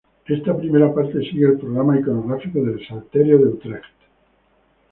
Esta primera parte sigue el programa iconográfico del "Salterio de Utrecht".